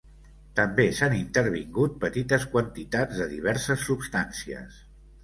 També s’han intervingut petites quantitats de diverses substàncies.